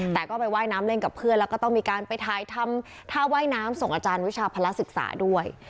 แต่ก็ไปว่ายน้ำเล่นกับเพื่อนแล้วก็ต้องมีการไปถ่ายทำท่าว่ายน้ำส่งอาจารย์วิชาภาระศึกษาด้วย